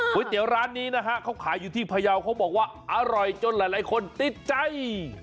เตี๋ยวร้านนี้นะฮะเขาขายอยู่ที่พยาวเขาบอกว่าอร่อยจนหลายคนติดใจ